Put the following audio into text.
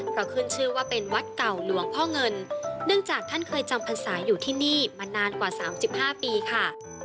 เพราะขึ้นชื่อว่าเป็นวัดเก่าหลวงพ่อเงินเนื่องจากท่านเคยจำพรรษาอยู่ที่นี่มานานกว่า๓๕ปีค่ะ